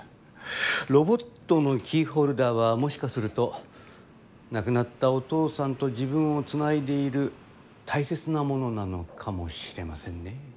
ロボットのキーホルダーはもしかすると亡くなったお父さんと自分をつないでいるたいせつなものなのかもしれませんね。